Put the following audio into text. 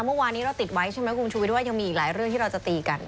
เมื่อวานนี้เราติดไว้ใช่ไหมคุณชูวิทว่ายังมีอีกหลายเรื่องที่เราจะตีกัน